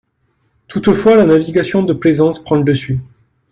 Toutefois, la navigation de plaisance prend le dessus.